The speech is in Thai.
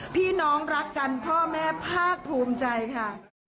พี่น้องรักกันพ่อแม่ภาคภูมิใจค่ะ